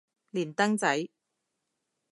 連登仔